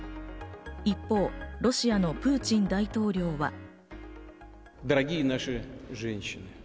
一方、ロシアのプーチン大統領は。